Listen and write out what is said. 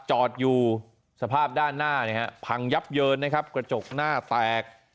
จอดอยู่สภาพด้านหน้าเนี่ยฮะพังยับเยินนะครับกระจกหน้าแตก